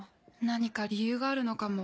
何か理由があるのかも。